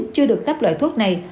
chưa được khắp loại thuốc này